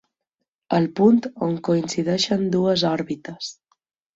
El punt on coincideixen dues òrbites.